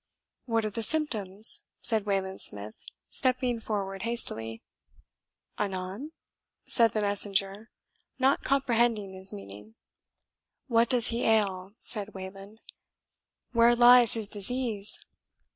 "What are the symptoms?" said Wayland Smith, stepping forward hastily. "Anan?" said the messenger, not comprehending his meaning. "What does he ail?" said Wayland; "where lies his disease?"